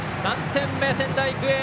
３点目、仙台育英。